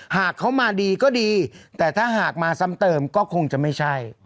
หากเขามาดีก็ดีแต่ถ้าหากมาซ้ำเติมก็คงจะไม่ใช่